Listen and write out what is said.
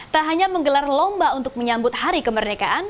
tak hanya menggelar lomba untuk menyambut hari kemerdekaan